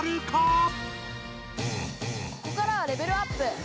ここからはレベルアップ！